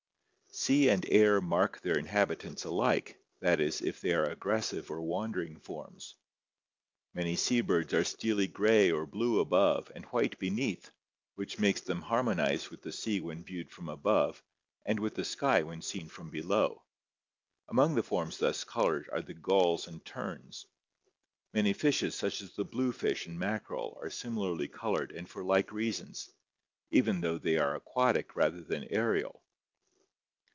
Sea and air mark their inhabitants alike, that is, if they are aggressive or wandering forms. Many sea birds are steely gray or blue above and white beneath, which makes them harmonize with the sea when viewed from above and with the sky when seen from below. Among the forms thus colored are the gulls and terns. Many fishes such as the blue fish and mackerel are similarly colored and for like reasons, even though they are aquatic rather than aerial.